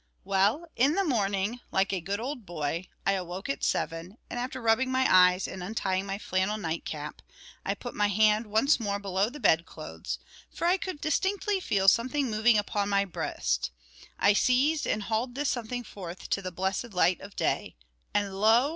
Well, in the morning, like a good old boy, I awoke at seven; and after rubbing my eyes and untying my flannel night cap, I put my hand once more below the bed clothes, for I could distinctly feel something moving on my breast. I seized and hauled this something forth to the blessed light of day, and lo!